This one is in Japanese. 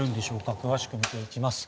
詳しく見ていきます。